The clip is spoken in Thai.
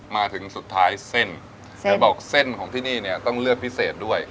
มาถึงสุดท้ายเส้นจะบอกเส้นของที่นี่เนี่ยต้องเลือกพิเศษด้วย